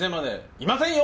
いませんよ！